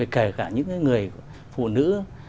kể cả những người phụ nữ